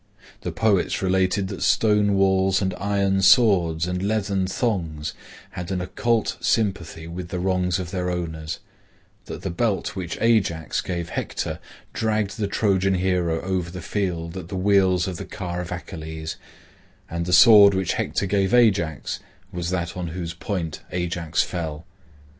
The poets related that stone walls and iron swords and leathern thongs had an occult sympathy with the wrongs of their owners; that the belt which Ajax gave Hector dragged the Trojan hero over the field at the wheels of the car of Achilles, and the sword which Hector gave Ajax was that on whose point Ajax fell.